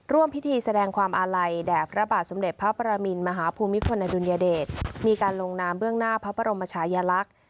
ร่วมพิธีแสดงความอาลัยแด่พระบาทสมเด็จพระประมินมหาภูมิพลอดุลยเดชมีการลงนามเบื้องหน้าพระบรมชายลักษณ์